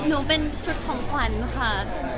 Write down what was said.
หนูเป็นชุดของขวัญค่ะ